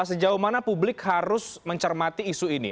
sejauh mana publik harus mencermati isu ini